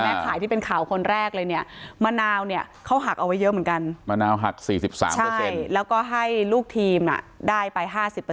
ขายที่เป็นข่าวคนแรกเลยเนี่ยมะนาวเนี่ยเขาหักเอาไว้เยอะเหมือนกันมะนาวหัก๔๓แล้วก็ให้ลูกทีมได้ไป๕๐